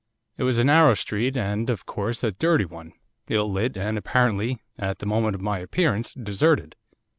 'It was a narrow street, and, of course, a dirty one, ill lit, and, apparently, at the moment of my appearance, deserted.